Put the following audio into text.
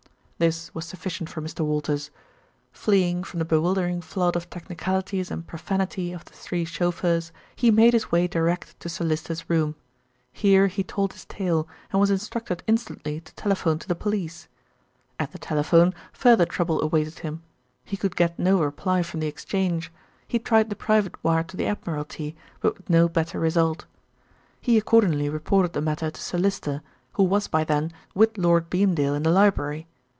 This was sufficient for Mr. Walters. Fleeing from the bewildering flood of technicalities and profanity of the three chauffeurs, he made his way direct to Sir Lyster's room. Here he told his tale, and was instructed instantly to telephone to the police. At the telephone further trouble awaited him. He could get no reply from the exchange. He tried the private wire to the Admiralty; but with no better result. He accordingly reported the matter to Sir Lyster, who was by then with Lord Beamdale in the library.